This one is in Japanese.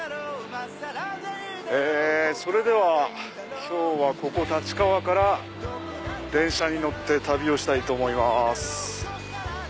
それでは今日はここ立川から電車に乗って旅をしたいと思います。